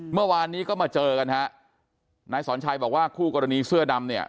เมื่อวานนี้ก็มาเจอกันฮะนายสอนชัยบอกว่าคู่กรณีเสื้อดำเนี่ย